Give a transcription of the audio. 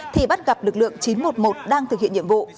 thì bắt gặp lực lượng chín trăm một mươi một đang thực hiện nhiệm vụ